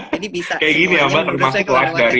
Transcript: jadi bisa semuanya berusaha keluar